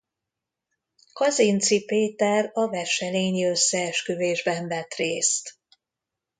Kazinczy Péter a Wesselényi-összeesküvésben vett részt.